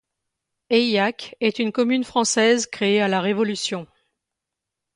Aillac est une commune française créée à la Révolution.